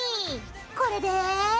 これで。